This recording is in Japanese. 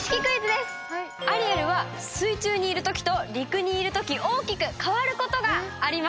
アリエルは水中にいる時と陸にいる時大きく変わることがあります。